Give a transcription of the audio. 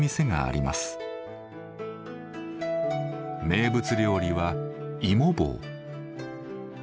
名物料理はいもぼう。